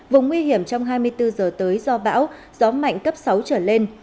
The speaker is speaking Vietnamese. vùng nguy hiểm trong hai mươi bốn giờ tới do bão gió mạnh cấp sáu trở lên